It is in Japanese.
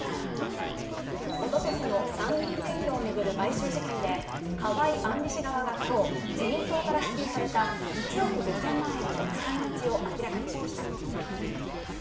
おととしの参議院選挙を巡る買収事件で河井案里氏側が今日、自民党から支給された１億５０００万円の使い道を明らかにしました。